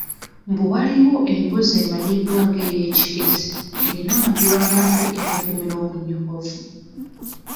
Mbu waliwo embuzi emanyiddwa nga ey'e Kigezi erina amagulu amampi era egumira obunnyogovu.